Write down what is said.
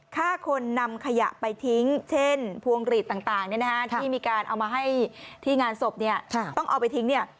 ฆ่าคนนำขยะไปทิ้งเช่นพวงหลีดต่างที่มีการเอามาให้ที่งานศพเนี่ยต้องเอาไปทิ้งเนี่ย